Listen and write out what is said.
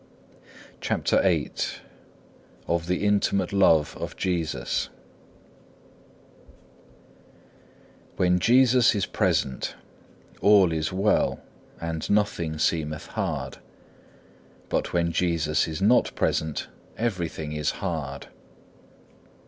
6. CHAPTER VIII Of the intimate love of Jesus When Jesus is present all is well and nothing seemeth hard, but when Jesus is not present everything is hard.